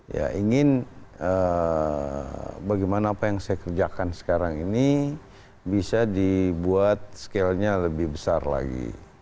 ya ingin bagaimana apa yang saya kerjakan sekarang ini bisa dibuat scale nya lebih besar lagi